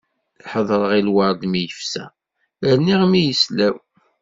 Ḥeḍreɣ i lwerḍ mi yefsa, rniɣ mi yeslaw.